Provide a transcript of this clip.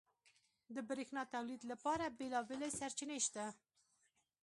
• د برېښنا تولید لپاره بېلابېلې سرچینې شته.